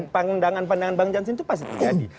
pandangan pandangan bang jansen itu pasti terjadi